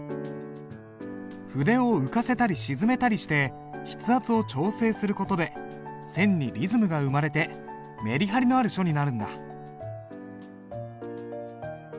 筆を浮かせたり沈めたりして筆圧を調整する事で線にリズムが生まれてメリハリのある書になるんだ。